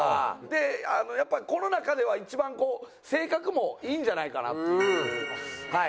でやっぱこの中では一番こう性格もいいんじゃないかなっていう事で。